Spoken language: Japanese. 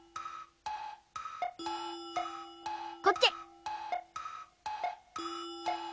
こっち！